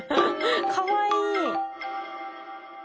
かわいい！